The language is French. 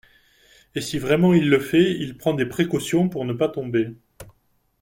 et si vraiment il le fait, il prend des précautions pour ne pas tomber.